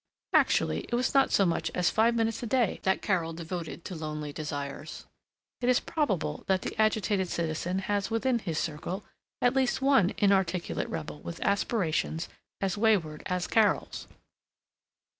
Actually, it was not so much as five minutes a day that Carol devoted to lonely desires. It is probable that the agitated citizen has within his circle at least one inarticulate rebel with aspirations as wayward as Carol's.